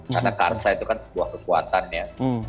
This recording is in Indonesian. karena karsa itu kan sebuah kekuatannya